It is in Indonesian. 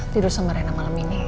tidur sama rena malam ini